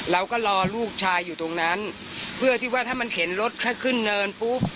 เราก็รอลูกชายอยู่ตรงนั้นเพื่อที่ว่าถ้ามันเข็นรถถ้าขึ้นเนินปุ๊บ